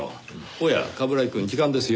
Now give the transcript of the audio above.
おや冠城くん時間ですよ。